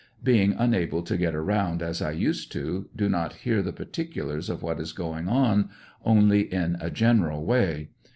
Being unable to get around as I used to, do not hear the particulars of w^hat is going on, only in a general way.